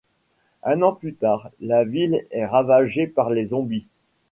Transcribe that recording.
Un an plus tard, la ville est ravagée par les zombies.